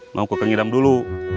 mau ke kang idam dulu